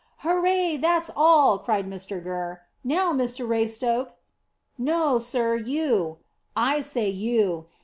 "Hurrah! That's all," cried Mr Gurr. "Now, Mr Raystoke." "No, sir, you." "I say you."